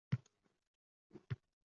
Oʻxshamasa, hech qisi yoʻq.